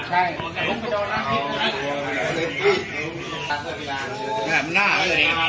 จะอยู่ละครับ